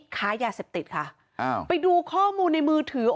ค้ายาเสพติดค่ะอ้าวไปดูข้อมูลในมือถือ